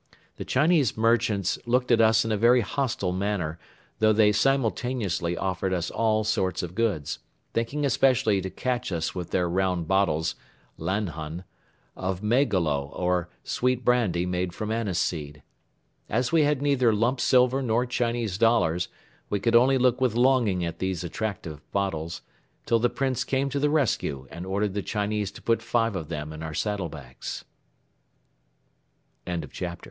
The Chinese merchants looked at us in a very hostile manner though they simultaneously offered us all sorts of goods, thinking especially to catch us with their round bottles (lanhon) of maygolo or sweet brandy made from aniseed. As we had neither lump silver nor Chinese dollars, we could only look with longing at these attractive bottles, till the Prince came to the rescue and ordered the Chinese to put five of them in our saddle bags. CHAPTER XIII MYSTE